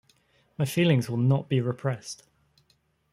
My feelings will not be repressed.